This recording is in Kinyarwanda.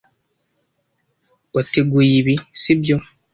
Wateguye ibi, sibyo?